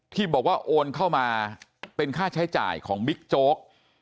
ที่บอกว่าโอนเข้ามาเป็นค่าใช้จ่ายของบิ๊กโจ๊ก